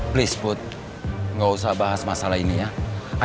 please put gak usah bahas masalah ini ya